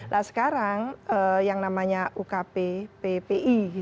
nah sekarang yang namanya ukp ppi gitu ya